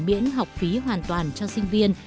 miễn học phí hoàn toàn cho sinh viên